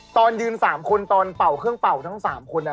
ตอนยืน๓คนตอนเป่าเครื่องเป่าทั้ง๓คน